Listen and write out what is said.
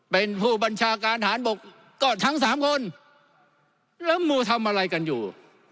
เป็นผู้บัญชาการฐานบกก็ทั้งสามคนแล้วมูทำอะไรกันอยู่